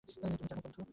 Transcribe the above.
তুমি জানো কিছু?